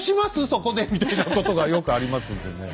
そこで」みたいなことがよくありますんでね。